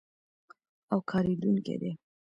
او کارېدونکی دی.